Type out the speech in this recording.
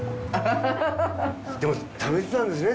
でも貯めてたんですね